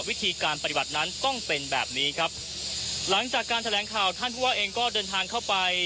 วิธีการปฏิบัตินั้นต้องเป็นแบบนี้ครับหลังจากการแถลงข่าวท่านผู้ว่าเองก็เดินทางเข้าไป